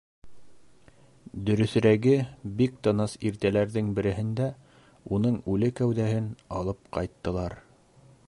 Дөрөҫөрәге, бик тыныс иртәләрҙең береһендә уның үле кәүҙәһен алып ҡайттылар...